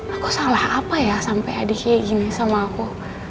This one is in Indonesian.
aku salah apa ya sampai adiknya gini sama aku